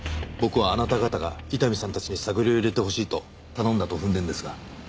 僕はあなた方が伊丹さんたちに探りを入れてほしいと頼んだと踏んでるんですが。